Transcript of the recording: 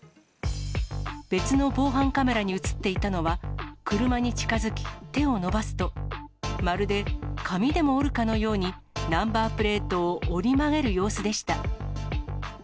別の防犯カメラに写っていたのは、車に近づき、手を伸ばすと、まるで紙でも折るかのようにナンバープレートを折り曲げる様子でした。